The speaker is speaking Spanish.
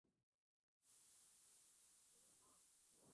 Los usos y distribuciones han ido variando con el tiempo.